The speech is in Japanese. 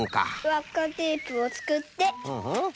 わっかテープをつくって。